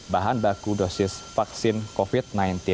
bahan baku dosis vaksin covid sembilan belas